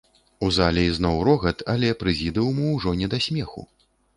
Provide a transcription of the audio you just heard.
У зале ізноў рогат, але прэзідыуму ўжо не да смеху.